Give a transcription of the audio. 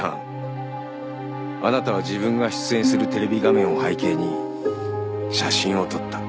あなたは自分が出演するテレビ画面を背景に写真を撮った。